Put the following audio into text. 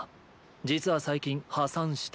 実は最近「破産」した。